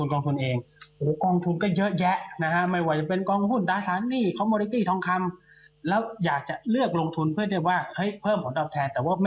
ก็ต้องแนะนำกองทุนที่เป็นกองทุนรวมผสม